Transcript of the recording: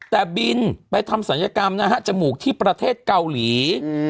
แต่บินไปทำศัลยกรรมนะฮะจมูกที่ประเทศเกาหลี